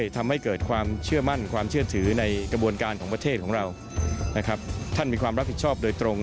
ติดตามจากรายงานครับ